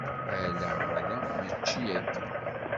Ala, ala! Mačči akken.